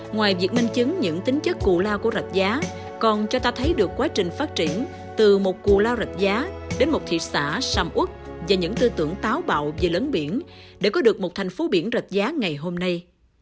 ngoài việc minh chứng những tính chất cụ lao của rạch giá còn cho ta thấy được quá trình phát triển từ một cù lao rạch giá đến một thị xã sầm út và những tư tưởng táo bạo về lấn biển để có được một thành phố biển rạch giá ngày hôm nay